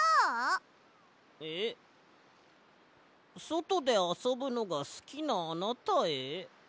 「そとであそぶのがすきなあなたへ」？